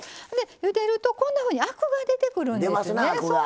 ゆでるとこんなふうにアクが出てくるんですね。